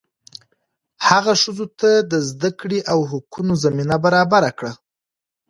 هغه ښځو ته د زده کړې او حقونو زمینه برابره کړه.